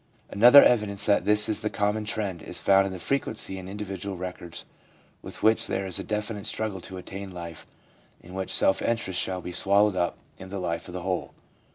Another evidence that this is the common trend is found in the frequency in individual records with which there is a definite struggle to attain a life in which self interest shall be swallowed up in the life of the whole.